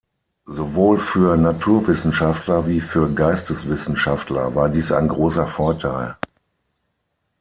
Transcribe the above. Sowohl für Naturwissenschaftler wie für Geisteswissenschaftler war dies ein großer Vorteil.